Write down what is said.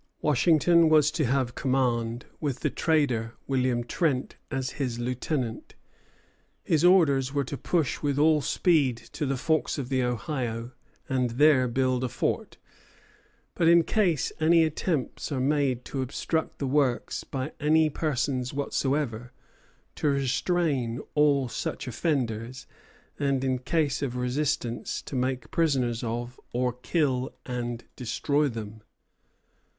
Washington was to have command, with the trader, William Trent, as his lieutenant. His orders were to push with all speed to the forks of the Ohio, and there build a fort; "but in case any attempts are made to obstruct the works by any persons whatsoever, to restrain all such offenders, and, in case of resistance, to make prisoners of, or kill and destroy them."